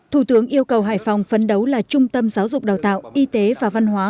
thủ tướng yêu cầu hải phòng phấn đấu là trung tâm giáo dục đào tạo y tế và văn hóa